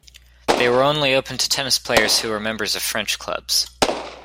They were only open to tennis players who were members of French clubs.